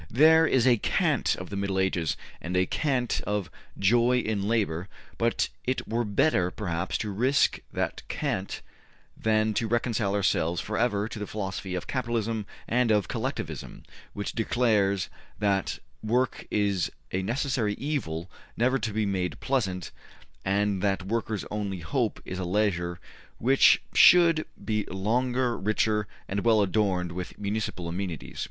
There is a cant of the Middle Ages, and a cant of ``joy in labor,'' but it were better, perhaps, to risk that cant than to reconcile ourselves forever to the philosophy of Capitalism and of Collectivism, which declares that work is a necessary evil never to be made pleasant, and that the workers' only hope is a leisure which shall be longer, richer, and well adorned with municipal amenities.